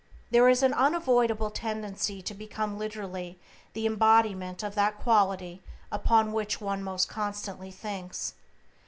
There is an unavoidable tendency to become literally the embodiment of that quality upon which one most constantly thinks.